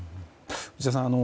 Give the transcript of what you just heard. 内田さん